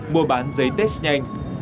mua bán giấy test nhanh